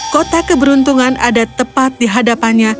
kota keberuntungan ada tepat di hadapannya